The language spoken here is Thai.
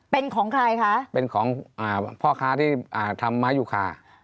เป็นของใครคะเป็นของพ่อค้าที่ทำไม้ยูคา